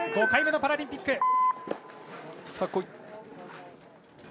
５回目のパラリンピック。